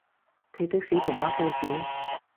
睇得少童話故事？